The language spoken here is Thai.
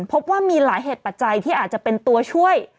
พบว่ามีหลายเหตุปัจจัยที่อาจจะเป็นตัวช่วย